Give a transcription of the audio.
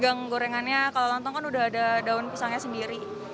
gang gorengannya kalau lontong kan udah ada daun pisangnya sendiri